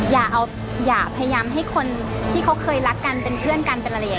แล้วขอให้ความมั่นใจว่าเราสองคนเนี่ย